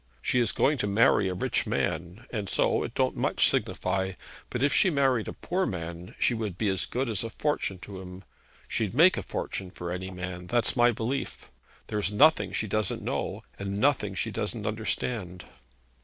She is going to marry a rich man, and so it don't much signify; but if she married a poor man, she would be as good as a fortune to him. She'd make a fortune for any man. That's my belief. There is nothing she doesn't know, and nothing she doesn't understand.'